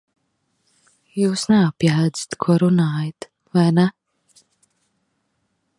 Jūs neapjēdzat, ko runājat, vai ne?